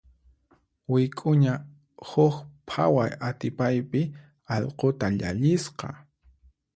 Wik'uña huk phaway atipaypi allquta llallisqa.